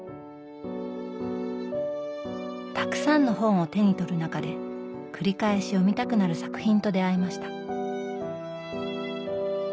たくさんの本を手に取る中で繰り返し読みたくなる作品と出会いました。